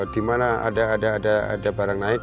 di mana ada barang naik